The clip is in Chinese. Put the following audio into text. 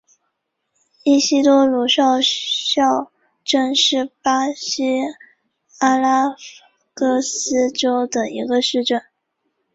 伊西多鲁少校镇是巴西阿拉戈斯州的一个市镇。